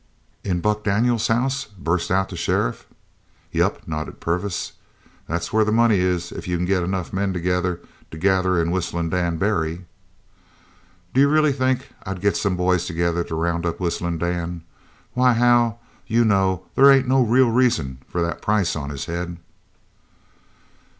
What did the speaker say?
"In Buck Daniels's house!" burst out the sheriff. "Yep," nodded Purvis, "that's where the money is if you c'n get enough men together to gather in Whistlin' Dan Barry." "D'you really think I'd get some boys together to round up Whistlin' Dan? Why, Hal, you know there ain't no real reason for that price on his head!"